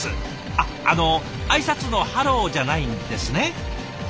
あっあの挨拶の「ハロー」じゃないんですね。